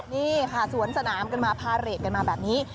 นี่ค่ะสวนสนามกันมาพาเรทกันมาแบบนี้